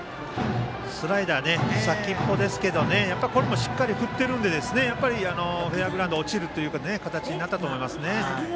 スライダー先っぽですけどこれもしっかり振っているのでフェアグラウンドへ落ちる形になったと思いますね。